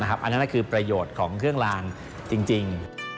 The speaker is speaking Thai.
อันนั้นคือประโยชน์ของเครื่องลางจริง